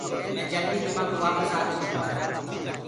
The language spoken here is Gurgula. مي جلدي تمآڪو وآپس آڪي دِکآسونٚ۔